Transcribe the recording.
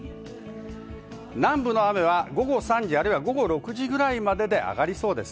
南部の雨は午後３時、あるいは午後６時くらいまでで上がりそうです。